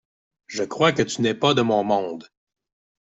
Je crois que tu n’es pas de mon monde.